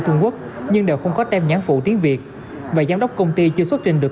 trung quốc nhưng đều không có tem nhãn phụ tiếng việt và giám đốc công ty chưa xuất trình được